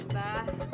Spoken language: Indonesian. kepala mak cik